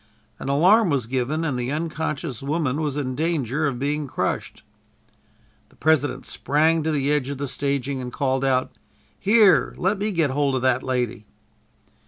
An alarm was given and the unconscious woman was in danger of being crushed. The President sprang to the edge of the staging and called out: "Here, let me get hold of that lady."